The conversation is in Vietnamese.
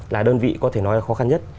là đơn vị có thể nói là khó khăn nhất